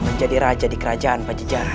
menjadi raja di kerajaan pajajaran